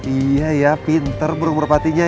iya ya pinter burung merupatinya ya